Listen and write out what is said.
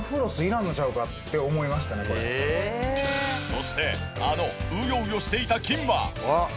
そしてあのウヨウヨしていた菌は。